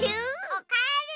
おかえり！